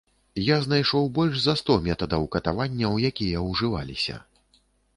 Я знайшоў больш за сто метадаў катаванняў, якія ўжываліся.